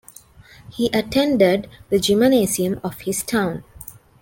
He attended the gymnasium of his town.